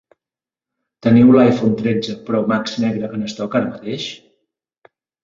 Teniu l'iPhone tretze pro max negre en stock ara mateix?